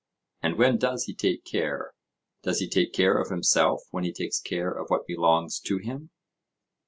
and when does he take care? Does he take care of himself when he takes care of what belongs to him?